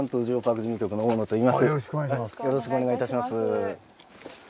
よろしくお願いします。